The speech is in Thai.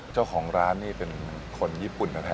เจ้าของร้านนี้เป็นคนญี่ปุ่นแท้เลยหรือ